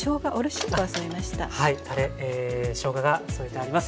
しょうがが添えてあります。